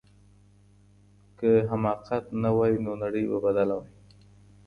که حماقت نه وای نو نړۍ به بدله وای.